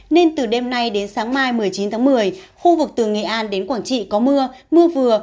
nên từ đêm nay đến sáng mai một mươi chín tháng một mươi khu vực từ nghệ an đến quảng trị có mưa mưa vừa